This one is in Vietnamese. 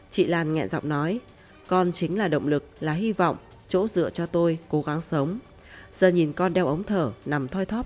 chị lan ngẹn giọng nói